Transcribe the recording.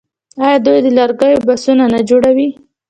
آیا دوی د لرګیو بکسونه نه جوړوي؟